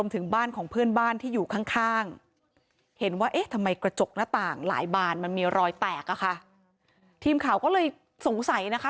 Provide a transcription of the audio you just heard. หลายบานมันมีรอยแตกอ่ะค่ะทีมข่าวก็เลยสงสัยนะคะ